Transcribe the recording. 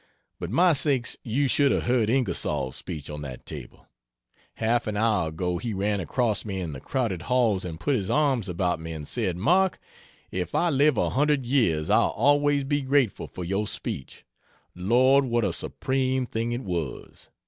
But my sakes, you should have heard Ingersoll's speech on that table! Half an hour ago he ran across me in the crowded halls and put his arms about me and said "Mark, if I live a hundred years, I'll always be grateful for your speech Lord what a supreme thing it was."